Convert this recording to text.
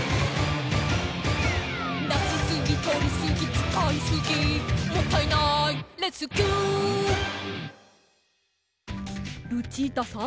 「出しすぎとりすぎ使いすぎもったいないレスキュー」ルチータさん。